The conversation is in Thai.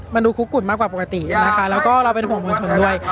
มันดูคุกกุ่นมากกว่าปกตินะคะแล้วก็เราเป็นห่วงมวลชนด้วย